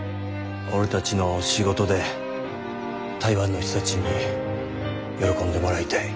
俺たちの仕事で台湾の人たちに喜んでもらいたい。